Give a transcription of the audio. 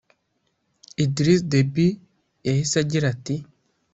Idriss Déby yahise agira ati